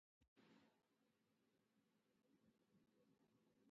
افغانستان د خپل هرات ولایت لپاره مشهور دی.